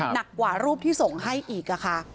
หนักกว่ารูปที่ส่งให้อีกค่ะ